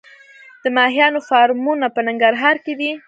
د ماهیانو فارمونه په ننګرهار کې دي